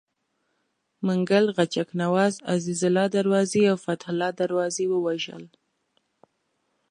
منګل غچک نواز، عزیزالله دروازي او فتح الله دروازي ووژل.